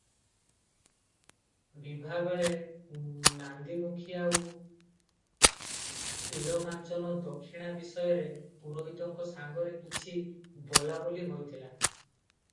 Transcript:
ବିଭାବେଳେ ନାନ୍ଦୀମୁଖୀ ଆଉ ତିଳକାଞ୍ଚନ ଦକ୍ଷିଣା ବିଷୟରେ ପୁରୋହିତଙ୍କ ସାଙ୍ଗରେ କିଛି ବୋଲାବୋଲି ହୋଇଥିଲା ।